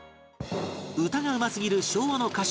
歌がうますぎる昭和の歌手